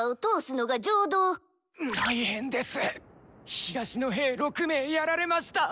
東の兵６名やられました